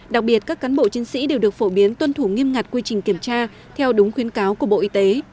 đặc biệt các cán bộ chiến sĩ đều được phổ biến tuân thủ nghiêm ngặt quy trình kiểm tra theo đúng khuyến cáo của bộ y tế